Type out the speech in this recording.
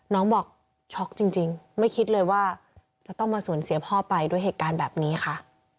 น้องบอกช็อกจริงไม่คิดเลยว่าจะต้องมาสูญเสียพ่อไปด้วยเหตุการณ์แบบนี้ค่ะ